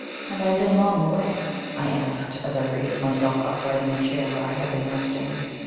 "Have I been long away?" I asked, as I raised myself upright in the chair where I had been resting.